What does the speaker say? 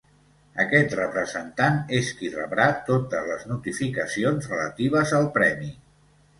Aquest representant és qui rebrà totes les notificacions relatives al Premi.